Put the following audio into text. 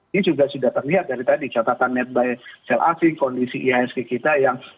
ini juga sudah terlihat dari tadi catatan netbuy sel asing kondisi ihsg kita yang